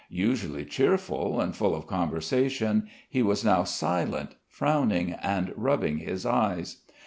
Usually cheerful and full of conversation, he was now silent, frowning, and rubbing his eyes.